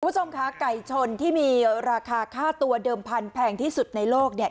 คุณผู้ชมคะไก่ชนที่มีราคาค่าตัวเดิมพันธุ์แพงที่สุดในโลกเนี่ย